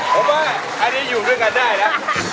ผมว่าอันนี้อยู่ด้วยกันได้แล้ว